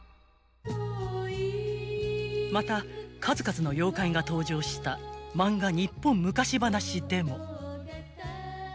［また数々の妖怪が登場した『まんが日本昔ばなし』でも］